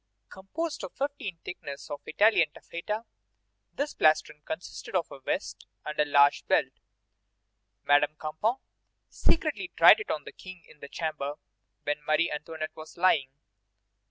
Composed of fifteen thicknesses of Italian taffeta, this plastron consisted of a vest and a large belt. Madame Campan secretly tried it on the King in the chamber where Marie Antoinette was lying.